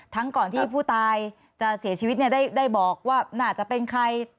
ก่อนที่ผู้ตายจะเสียชีวิตได้บอกว่าน่าจะเป็นใคร